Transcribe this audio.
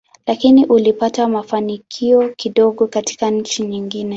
Lakini ulipata mafanikio kidogo katika nchi nyingine.